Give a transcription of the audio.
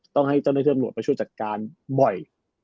ต้องให้เจ้าหน้าที่ตำรวจไปช่วยจัดการบ่อย